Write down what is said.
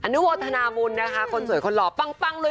นุโมทนาบุญนะคะคนสวยคนหล่อปังเลย